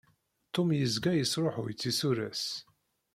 Tum yezga yesṛuḥuy tisura-s.